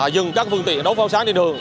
dừng các phương tiện đấu pháo sáng trên đường